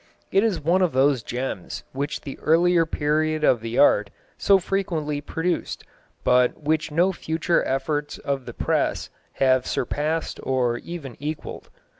It is one of those gems which the earlier period of the art so frequently produced, but which no future efforts of the press have surpassed or even equalled."